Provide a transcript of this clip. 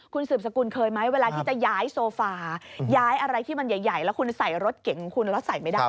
คุณสืบสกุลเคยไหมเวลาที่จะย้ายโซฟาย้ายอะไรที่มันใหญ่แล้วคุณใส่รถเก่งของคุณแล้วใส่ไม่ได้